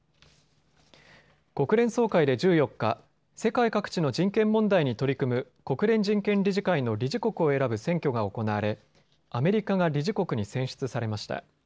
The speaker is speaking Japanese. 国連総会で１４日、世界各地の人権問題に取り組む国連人権理事会の理事国を選ぶ選挙が行われアメリカが理事国に選出されました。